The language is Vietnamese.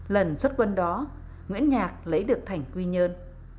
lần xuất quân đó nguyễn nhạc lấy được thành quy nhơn